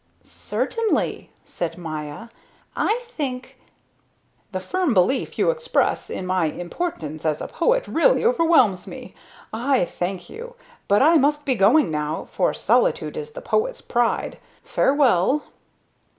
"Certainly," said Maya, "I think...." "The firm belief you express in my importance as a poet really overwhelms me. I thank you. But I must be going now, for solitude is the poet's pride. Farewell."